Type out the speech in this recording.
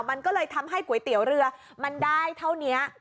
มันก็เลยทำให้ก๋วยเตี๋ยวเรือมันได้เท่านี้